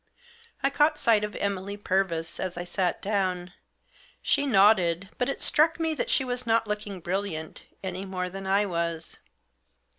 I caught sight of Emily Purvis as I sat down. She nodded ; but it struck me that she was not looking brilliant, any more than I was.